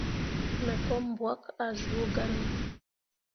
Me ko mbwakke ah zuu gahne.